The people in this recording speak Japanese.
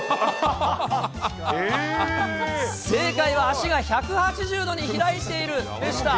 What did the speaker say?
正解は足が１８０度に開いているでした。